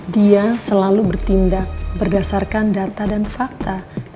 dia selalu bertindak berdasarkan data dan fakta